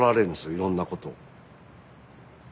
いろんなことを。